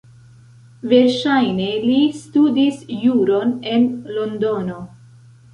Verŝajne li studis juron en Londono.